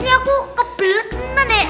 ini aku kebeletan ya